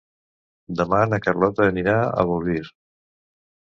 Demà na Carlota anirà a Bolvir.